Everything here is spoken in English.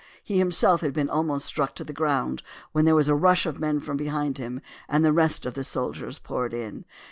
He himself had been almost struck to the ground, when there was a rush of men from behind, and the rest of the soldiers poured in.